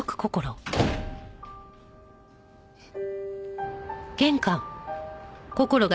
えっ。